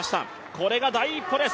これが第一歩です。